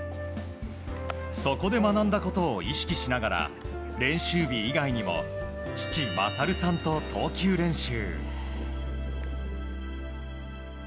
そこで学んだことを意識しながら練習日以外にも父・勝さんと投球練習。